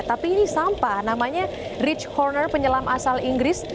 tapi ini sampah namanya rich corner penyelam asal inggris